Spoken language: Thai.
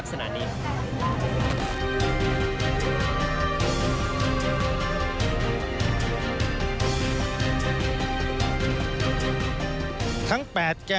ส่วนต่างกระโบนการ